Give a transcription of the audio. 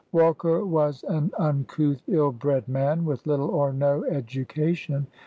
Walker was an uncouth, ill bred man, with little or no education.